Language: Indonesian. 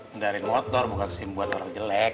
ngendari motor bukan sim buat orang jelek